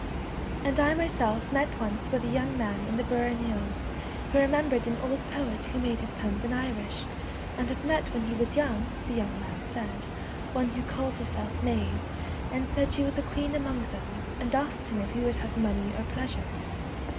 And I myself met once with a young man in the Burren Hills who remembered an old poet who made his poems in Irish and had met when he was young, the young man said, one who called her self Maive, and said she was a queen 1 among them,' and asked him if he would have money or pleasure.